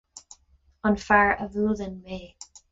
An fear a bhuaileann mé.